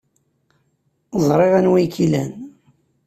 Ẓriɣ anwa ay iyi-ilan.